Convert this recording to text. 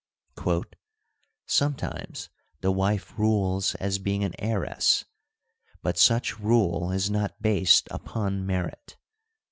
' Sometimes the wife rules as being an heiress, but such rule is not based upon merit.'